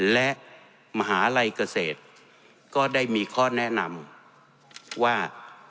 และมหาลัยเกษตรก็ได้มีข้อแนะนำว่า